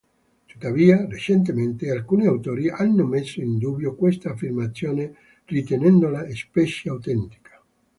Tuttavia, recentemente alcuni autori hanno messo in dubbio questa affermazione, ritenendola specie autentica.